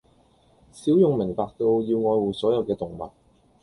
小勇明白到要愛護所有嘅動物